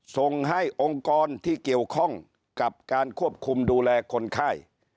ส่งให้องค์กรที่เกี่ยวข้องกับการควบคุมดูแลคนไข้